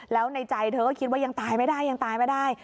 แล้วในใจเธอก็คิดว่ายังตายไม่ได้ยังตายไม่ได้